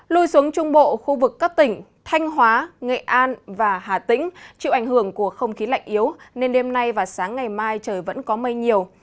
lui xuống trung bộ khu vực các tỉnh thanh hóa nghệ an và hà tĩnh chịu ảnh hưởng của không khí lạnh yếu nên đêm nay và sáng ngày mai trời vẫn có mây nhiều